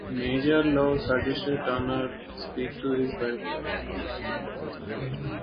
Major Love suggested Tunner speak to his wife directly.